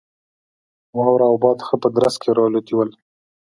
واوره او باد ښه په درز کې را الوتي ول.